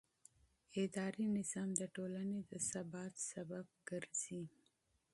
اداري نظام د ټولنې د ثبات سبب ګرځي.